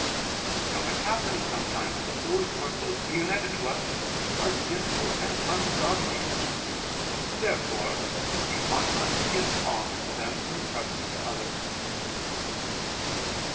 Now it happens sometimes that those who are closely united to us are sinful and ungodly. Therefore we ought not to give alms to them in preference to others.